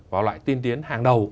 vào loại tiên tiến hàng đầu